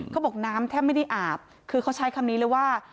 เขาบอกน้ำแทบไม่ได้อาบคือเขาใช้คำนี้เลยว่า